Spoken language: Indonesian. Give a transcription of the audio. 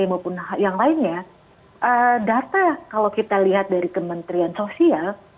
maupun yang lainnya data kalau kita lihat dari kementerian sosial